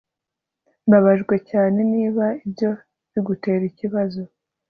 Mbabajwe cyane niba ibyo bigutera ikibazo